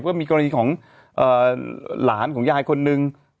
ก็มีกรณีของหลานของยายคนนึง